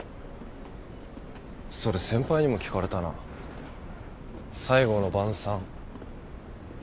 それ先輩にも聞かれたな最後の晩餐。